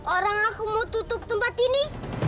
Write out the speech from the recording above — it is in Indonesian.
orang aku mau tutup tempat ini